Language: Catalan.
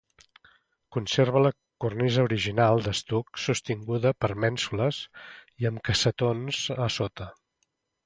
Conserva la cornisa original d'estuc sostinguda per mènsules i amb cassetons a sota.